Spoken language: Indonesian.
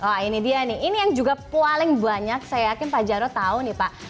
wah ini dia nih ini yang juga paling banyak saya yakin pak jarod tahu nih pak